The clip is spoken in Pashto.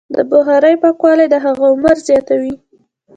د بخارۍ پاکوالی د هغې عمر زیاتوي.